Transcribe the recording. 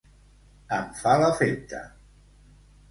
Em fa l'efecte.